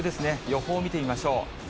予報を見てみましょう。